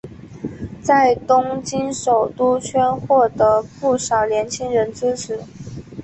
在东京首都圈获得不少年轻人支持。